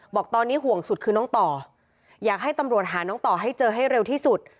บอกตอนนี้ห่วงสุดคือน้องต่ออยากให้ตำรวจหาน้องต่อให้เจอให้เร็วที่สุด